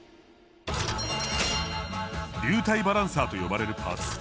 流体バランサーと呼ばれるパーツ。